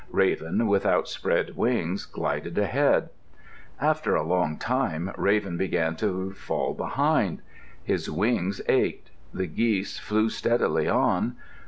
Raven, with outspread wings, glided ahead. After a long time Raven began to fall behind. His wings ached. The geese flew steadily on.